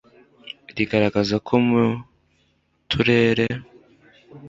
rigaragaza ko mu turere